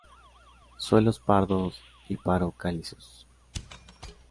Suelos pardos y paro-calizos.